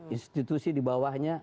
institusi di bawahnya